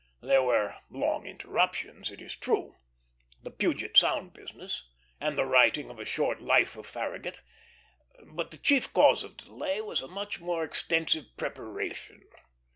There were long interruptions, it is true; the Puget Sound business, and the writing of a short Life of Farragut. But the chief cause of delay was a much more extensive preparation.